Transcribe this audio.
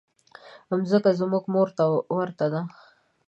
مځکه زموږ مور ته ورته ده.